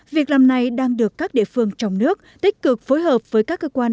việc làm này đang được các địa phương trong nước tích cực